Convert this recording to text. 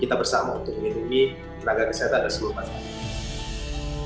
kita bersama untuk menghitungi tenaga kesehatan dan sebuah masalah